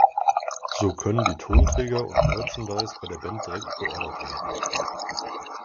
So können die Tonträger und Merchandise bei der Band direkt geordert werden.